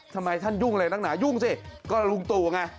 ทำไมท่านยุ่งอะไรนักหนายุ่งสิก็ลุงตู่ไง